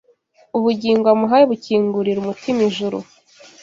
ubugingo amuhaye bukingurira umutima ijuru.